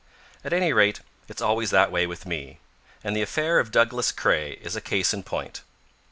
At any rate, it's always that way with me. And the affair of Douglas Craye is a case in point.